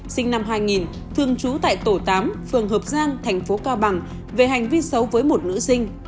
sinh năm hai nghìn thường trú tại tổ tám phường hợp giang thành phố cao bằng về hành vi xấu với một nữ sinh